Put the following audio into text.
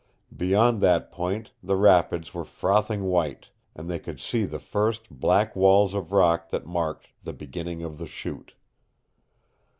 Beyond that point the rapids were frothing white, and they could see the first black walls of rock that marked the beginning of the Chute.